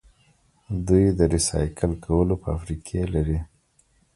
دوی د ریسایکل کولو فابریکې لري.